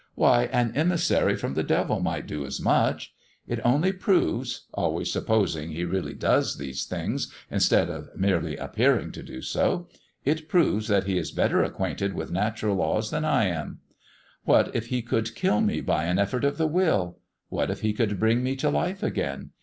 Why, an emissary from the devil might do as much! It only proves always supposing he really does these things instead of merely appearing to do so it proves that he is better acquainted with natural laws than I am. What if he could kill me by an effort of the will? What if he could bring me to life again?